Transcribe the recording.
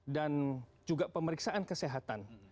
dan juga pemeriksaan kesehatan